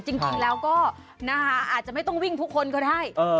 จริงแล้วก็อาจจะไม่ต้องวิ่งทุกคนก็ได้